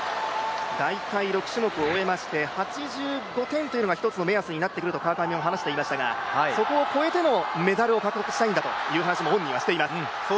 大体６種目を終えまして８５点というのが１つの目安になってくると川上も話していましたがそこを超えてのメダルを獲得したいんだという話を本人もしています。